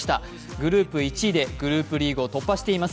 グループ１位でグループリーグを突破しています。